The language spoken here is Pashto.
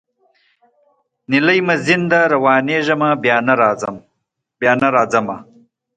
نیلی مي ځین دی روانېږمه بیا نه راځمه